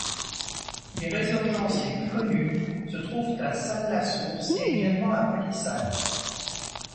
Les résurgences les plus connues se trouvent à Salles-la-Source et également à Polissal.